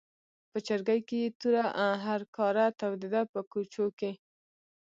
په چرګۍ کې یې توره هرکاره تودېده په کوچو کې.